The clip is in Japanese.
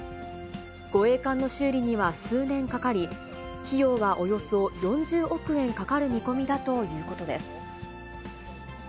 護衛艦の修理には数年かかり、費用はおよそ４０億円かかる見込みだということです。